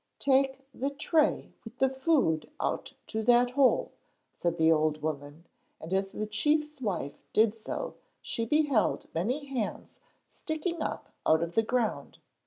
'Take the tray with the food out to that hole,' said the old woman, and as the chief's wife did so she beheld many hands sticking up out of the ground.